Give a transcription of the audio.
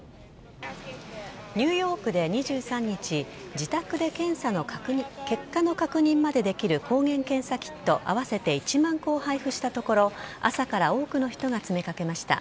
ニューヨークで２３日自宅で検査の結果の確認までできる抗原検査キットを合わせて１万個を配布したところ朝から多くの人が詰めかけました。